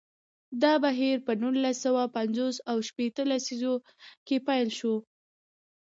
دا بهیر په نولس سوه پنځوس او شپیته لسیزو کې پیل شو.